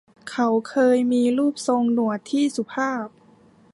เขาเคยมีรูปทรงหนวดที่สุภาพ